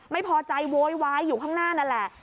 ไม่พอใจโวยวายอยู่ข้างหน้านั่นแหละ